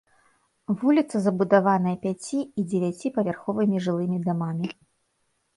Вуліца забудаваная пяці- і дзевяціпавярховымі жылымі дамамі.